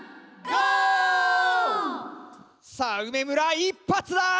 さぁ梅村１発だ！